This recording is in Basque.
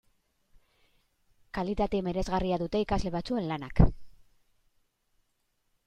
Kalitate miresgarria dute ikasle batzuen lanak.